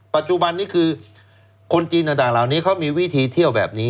ปัจจุบันนี้คือคนจีนต่างเหล่านี้เขามีวิธีเที่ยวแบบนี้